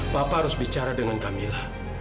bapak harus bicara dengan kamila